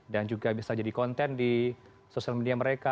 dan juga bisa jadi konten di sosial media mereka